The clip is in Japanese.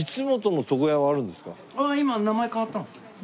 今名前変わったんですよ。